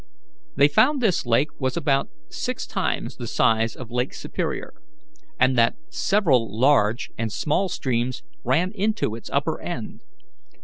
They found this lake was about six times the size of Lake Superior, and that several large and small streams ran into its upper end.